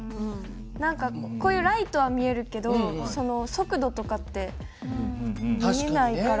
何かこういうライトは見えるけど速度とかって見えないから。